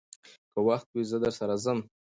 که وخت وي، زه درسره ځم.